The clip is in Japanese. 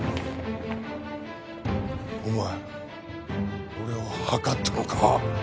お前俺を謀ったのか？